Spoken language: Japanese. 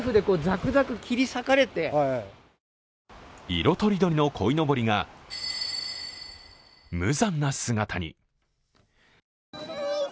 色とりどりのこいのぼりが、無残な姿に。